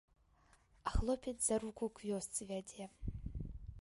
А хлопец за руку к вёсцы вядзе.